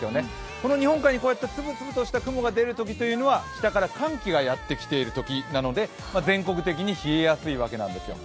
この日本海につぶつぶとした雲が出るってことは下から寒気がやってきているときなので、全国的に冷えやすいわけなんです。